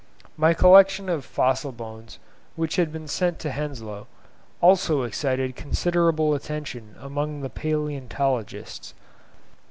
My collection of fossil bones, which had been sent to Henslow, also excited considerable attention amongst palaeontologists.